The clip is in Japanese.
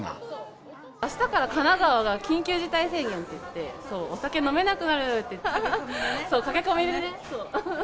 あしたから神奈川が緊急事態宣言っていって、そう、お酒飲めなくなる、駆け込みでね。